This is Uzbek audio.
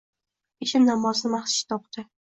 Peshin namozini masjidda o‘qidi